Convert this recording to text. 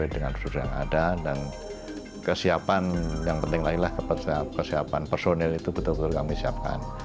dan kesiapan yang penting lagi adalah kesiapan personil itu betul betul kami siapkan